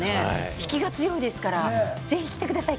引きが強いですから、ぜひ来てください。